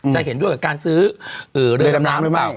จะเห็นด้วยกับการซื้อเรือดำน้ำหรือเปล่า